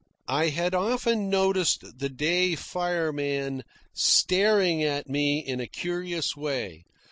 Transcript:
I had often noticed the day fireman staring at me in a curious way.